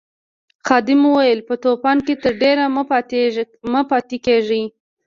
خادم وویل په طوفان کې تر ډېره مه پاتې کیږئ.